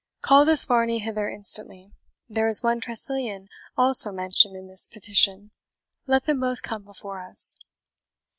Call this Varney hither instantly. There is one Tressilian also mentioned in this petition. Let them both come before us."